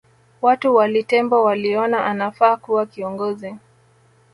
Watu wa Litembo waliona anafaa kuwa kiongozi